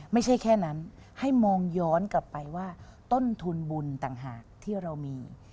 ไม่ใช่แค่นั้นให้มองย้อนกลับไปว่าต้นทุนบุญต่างหากที่เรามี